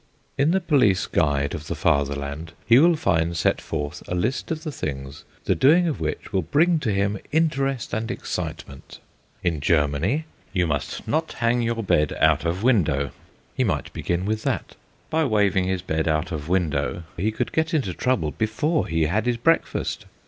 In the Police Guide of the Fatherland he will find set forth a list of the things the doing of which will bring to him interest and excitement. In Germany you must not hang your bed out of window. He might begin with that. By waving his bed out of window he could get into trouble before he had his breakfast.